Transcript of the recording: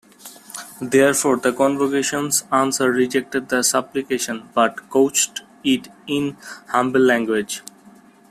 Therefore, the Convocation's answer rejected the Supplication but couched it in humble language.